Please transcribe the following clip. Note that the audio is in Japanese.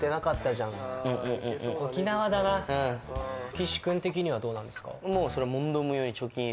岸君的にはどうなんですか？